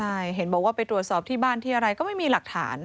ใช่เห็นบอกว่าไปตรวจสอบที่บ้านที่อะไรก็ไม่มีหลักฐาน